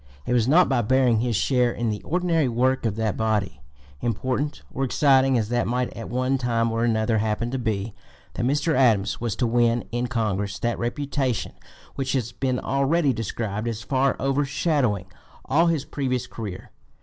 It was not by bearing his share in the ordinary work of that body, important or exciting as that might at one time or another happen to be, that Mr. Adams was to win in Congress that reputation which has been (p. 243) already described as far overshadowing all his previous career.